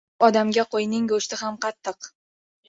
to‘q odamga qo‘yning go‘shti ham qattiq.